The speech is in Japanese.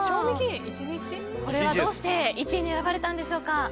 これはどうして１位に選ばれたんでしょうか。